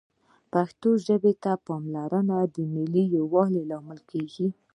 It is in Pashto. پښتو ژبې ته پاملرنه د ملي یووالي لامل کېږي